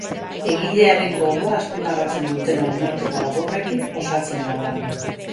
Egilearen gogoa azpimarratzen duten hausnarketa laburrekin osatzen da lana.